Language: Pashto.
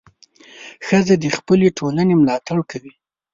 ښځه د خپلې ټولنې ملاتړ کوي.